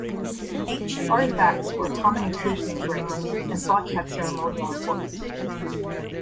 The artifacts were a common inclusion in graves and thought to have ceremonial importance.